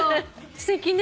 すてきね。